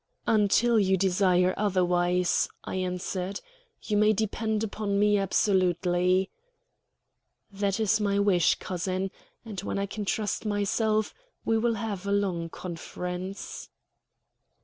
"Until you desire otherwise," I answered. "You may depend upon me absolutely." "That is my wish, cousin; and when I can trust myself, we will have a long conference."